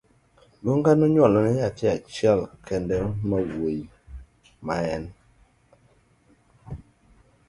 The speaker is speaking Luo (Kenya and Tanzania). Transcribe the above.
Ngunga nonyuolo ne nyathi achiel kende mawuoyi ma en Idi